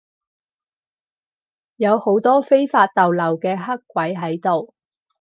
有好多非法逗留嘅黑鬼喺度